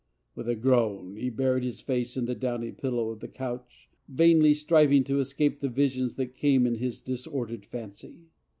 With a groan he buried his face in the downy pil¬ lows of the couch, vainly striving to escape the visions that came of his disordered fancy.